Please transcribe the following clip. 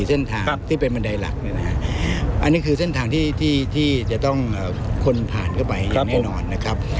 เส้นทางที่เป็นบันไดหลักเนี่ยนะฮะอันนี้คือเส้นทางที่จะต้องคนผ่านเข้าไปอย่างแน่นอนนะครับ